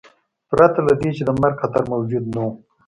پرته له دې چې د مرګ خطر موجود نه و.